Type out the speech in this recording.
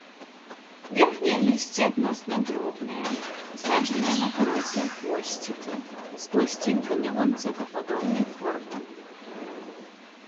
Верхняе лісце адносна дробнае, пасаджанае на кароткія хвосцікі, з пласцінкамі ланцэтападобнай формы.